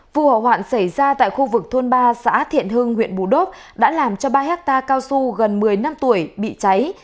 vụ hỏa hoạn xảy ra tại khu vực thôn ba xã thiện hưng huyện bù đốp đã làm cho ba hectare cao su gần một mươi năm tuổi bị cháy